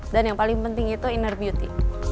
dan yang paling penting itu inner beauty